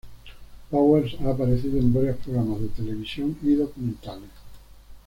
Powers ha aparecido en varios programas de televisión y documentales.